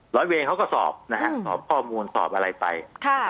ร้อยเวรเขาก็สอบนะฮะสอบข้อมูลสอบอะไรไป